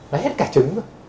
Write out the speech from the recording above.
nó hết cả trứng rồi